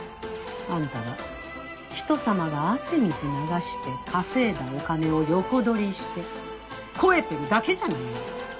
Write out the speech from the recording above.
あんたは人様が汗水流して稼いだお金を横取りして肥えてるだけじゃないの。